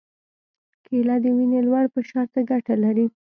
کېله د وینې لوړ فشار ته ګټه لري.